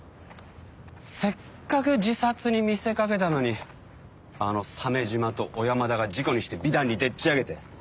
せっかく自殺に見せかけたのにあの鮫島と小山田が事故にして美談にでっち上げて。